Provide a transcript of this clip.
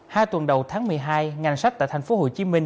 hai tuần đầu tháng một mươi hai ngành sách tại thành phố hồ chí minh